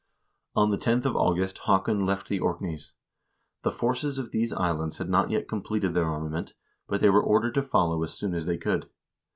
On the 10th of August Haakon left the Orkneys. The forces of these islands had not yet completed their armament, but they were ordered to follow as soon as they could.